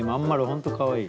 本当かわいい。